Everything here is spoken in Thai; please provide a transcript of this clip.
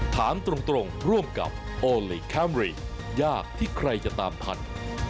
ถามตรงร่วมกับโอลี่คัมรี่ยากที่ใครจะตามทัน